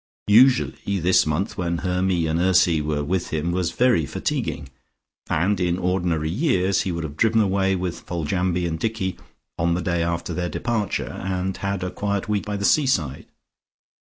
Usually this month when Hermy and Ursy were with him was very fatiguing, and in ordinary years he would have driven away with Foljambe and Dicky on the day after their departure, and had a quiet week by the seaside.